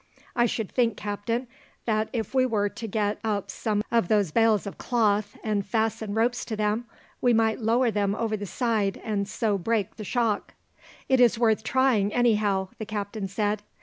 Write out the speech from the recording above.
"I should think, captain, that if we were to get up some of those bales of cloth, and fasten ropes to them, we might lower them over the side and so break the shock." "It is worth trying, anyhow," the captain said.